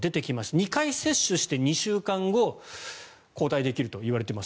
２回接種して２週間後抗体ができるといわれています。